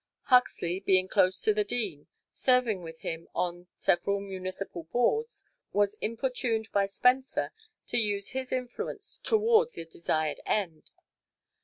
Huxley, being close to the Dean, serving with him on several municipal boards, was importuned by Spencer to use his influence toward the desired end.